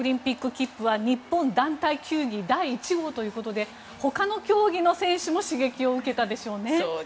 切符は日本団体球技第１号ということでほかの競技の選手も刺激を受けたでしょうね。